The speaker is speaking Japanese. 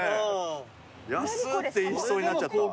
「安っ」て言いそうになっちゃった。